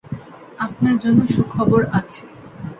আপনার জন্য সুখবর আছে।